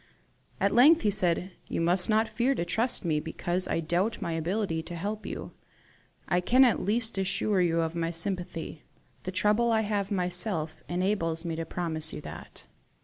At length he said, "You must not fear to trust me because I doubt my ability to help you. I can at least assure you of my sympathy. The trouble I have myself had enables me to promise you that."